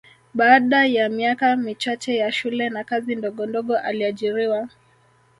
Baada ya miaka michache ya shule na kazi ndogondogo aliajiriwa